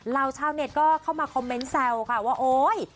เราชาวเน็ทก็เค้ามาคอมเม้นต์แซวนะคะว่าโอ๊ยยยย